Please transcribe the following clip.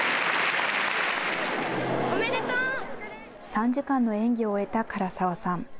３時間の演技を終えた柄沢さん。